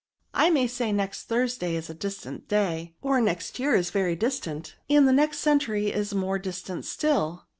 I may say next Thursday is a distant day, or next year is very distant, and the next century is more distant still.